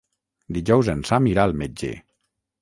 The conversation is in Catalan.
Dijous en Sam irà al metge.